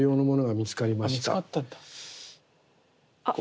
見つかったんだ。